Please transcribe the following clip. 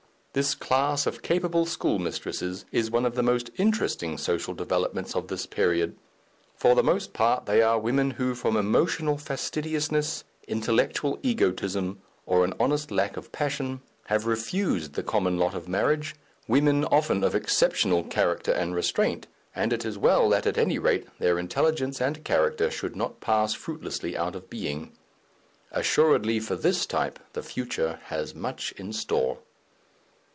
This class of capable schoolmistresses is one of the most interesting social developments of this period. For the most part they are women who from emotional fastidiousness, intellectual egotism, or an honest lack of passion, have refused the common lot of marriage, women often of exceptional character and restraint, and it is well that, at any rate, their intelligence and character should not pass fruitlessly out of being. Assuredly for this type the future has much in store.